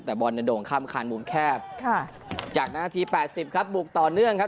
แต่บอลโด่งข้ามขาดมุมแคบจากนั้นที๘๐ครับบุกต่อเนื่องครับ